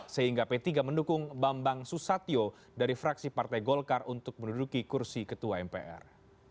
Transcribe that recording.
sehingga p tiga mendukung bambang susatyo dari fraksi partai golkar untuk menduduki kursi ketua mpr